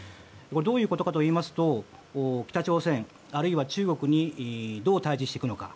どういうことかといいますと北朝鮮、あるいは中国にどう対峙していくのか。